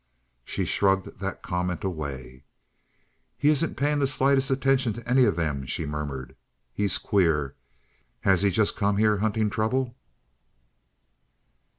She shrugged that comment away. "He isn't paying the slightest attention to any of them," she murmured. "He's queer! Has he just come here hunting trouble?"